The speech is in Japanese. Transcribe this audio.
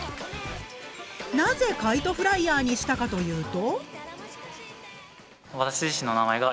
なぜカイトフライヤーにしたかというと。